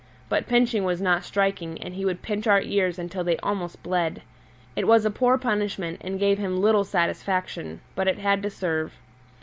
But pinching was not striking, and he would pinch our ears until they almost bled. It was a poor punishment and gave him little satisfaction, but it had to serve.